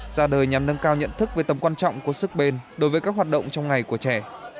ra đời nhằm nâng cao nhận thức về tầm quan trọng của sức bền đối với các hoạt động trong ngày của trẻ